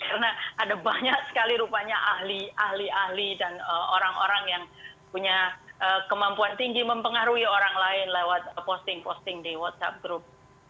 karena ada banyak sekali rupanya ahli ahli dan orang orang yang punya kemampuan tinggi mempengaruhi orang lain lewat posting posting di whatsapp group